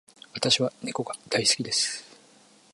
私は猫が大好きです。